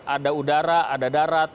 ada udara ada darat